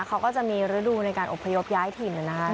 เขาก็จะมีฤดูในการอบพยพย้ายถิ่นนะครับ